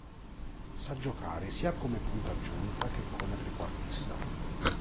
Sa giocare sia come punta aggiunta che come trequartista.